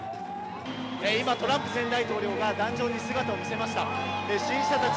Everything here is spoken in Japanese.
今、トランプ前大統領が壇上に姿を見せました。